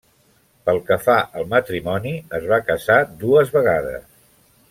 Pel que fa al matrimoni, es va casar dues vegades.